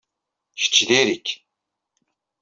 Kečč diri-k.